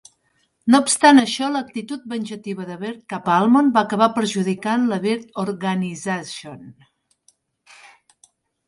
No obstant això, l'actitud venjativa de Byrd cap a Almond va acabar perjudicant la Byrd Organization.